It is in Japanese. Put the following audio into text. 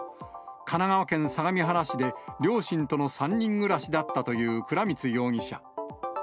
神奈川県相模原市で両親との３人暮らしだったという倉光容疑者。